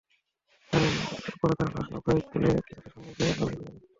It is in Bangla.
পরে তাঁরা লাশ নৌকায় তুলে কিছুটা সামনে গিয়ে নালায় ফেলে দেন।